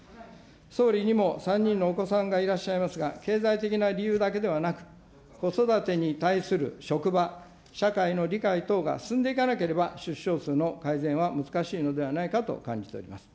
総理にも３人のお子さんがいらっしゃいますが、経済的な理由だけではなく、子育てに対する職場、社会の理解等が進んでいかなければ、出生数の改善は難しいのではないかと感じております。